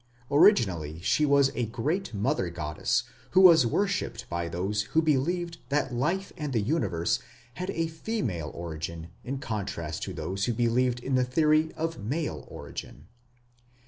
Originally she was a great mother goddess, who was worshipped by those who believed that life and the universe had a female origin in contrast to those who believed in the theory of male origin.